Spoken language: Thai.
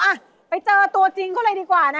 ไนะก็จะเจอตัวจริงขึ้นเลยดีกว่านะ